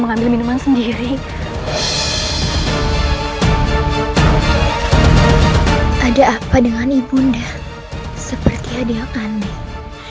ada apa dengan ibunda seperti hadiah kanding